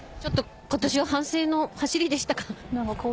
今年は反省の走りでしたか？